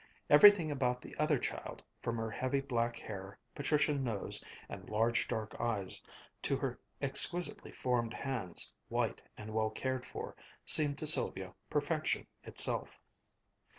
Everything about the other child, from her heavy black hair, patrician nose, and large dark eyes to her exquisitely formed hands, white and well cared for, seemed to Sylvia perfection itself.